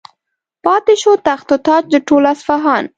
پاتې شو تخت و تاج د ټول اصفهان.